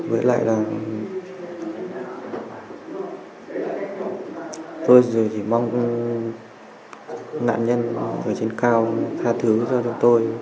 với lại là tôi chỉ mong nạn nhân ở trên cao tha thứ cho tôi